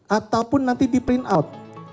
ataupun nanti di print out